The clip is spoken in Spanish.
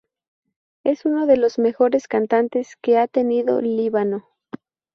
Es uno de los mejores cantantes que ha tenido Líbano.